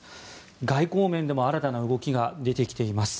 外交面でも新たな動きが出てきています。